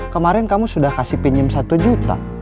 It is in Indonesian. kemarin kamu sudah kasih pinjam satu juta